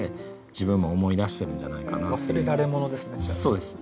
そうです。